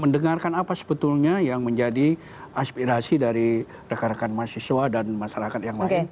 mendengarkan apa sebetulnya yang menjadi aspirasi dari rekan rekan mahasiswa dan masyarakat yang lain